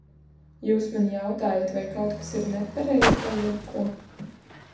Jūs man jautājat, vai kaut kas ir nepareizi ar jebko?